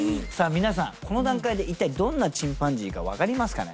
皆さんこの段階でいったいどんなチンパンジーか分かりますかね？